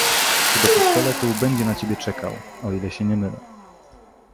"Co do pistoletu, będzie na ciebie czekał, o ile się nie mylę."